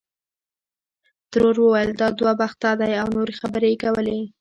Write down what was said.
ترور ویل دا دوه بخته دی او نورې خبرې یې کولې.